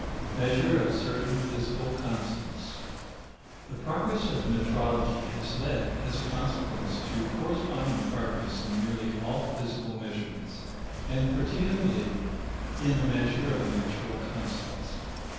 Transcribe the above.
MEASURE OF CERTAIN PHYSICAL CONSTANTS The progress of metrology has led, as a consequence, to corresponding progress in nearly all physical measurements, and particularly in the measure of natural constants.